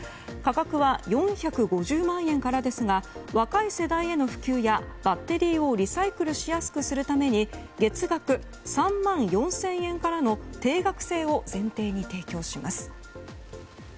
価格は４５０万円からですが若い世代への普及やバッテリーをリサイクルしやすくするために月額３万４０００円からの定額制を前提に提供します。